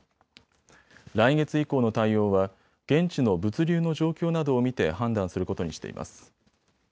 来月以降の対応は現地の物流の状況などを見て判断することにしています。